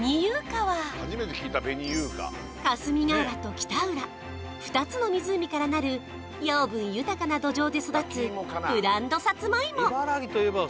甘は霞ケ浦と北浦２つの湖からなる養分豊かな土壌で育つブランドさつまいも